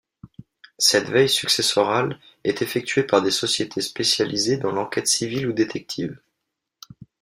Cette veille successorale est effectuée par des sociétés spécialisées dans l'enquête civile ou détective.